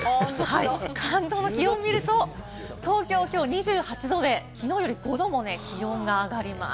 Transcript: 関東の気温を見ると、東京はきょう２８度できのうより５度も気温が上がります。